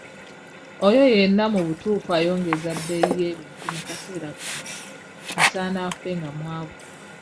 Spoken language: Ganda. Oyo yenna mu butuufu ayongeza ebbeeyi y'ebintu mu kaseera kano asaana afe nga mwavu.